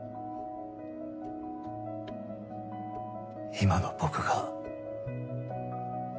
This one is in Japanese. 今の僕が。